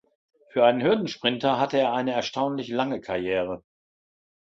Für einen Hürdensprinter hatte er eine erstaunlich lange Karriere.